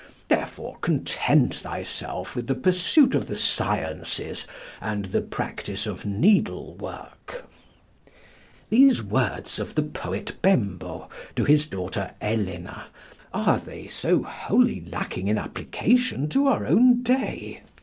Therefore, content thyself with the pursuit of the sciences and the practice of needlework." These words of the poet Bembo to his daughter Elena are they so wholly lacking in application to our own day?